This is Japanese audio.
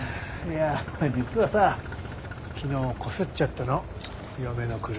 いや実はさ昨日こすっちゃったの嫁の車。